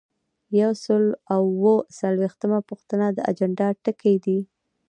یو سل او اووه څلویښتمه پوښتنه د اجنډا ټکي دي.